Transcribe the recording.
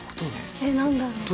えっなんだろう？